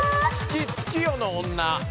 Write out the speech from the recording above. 月夜の女。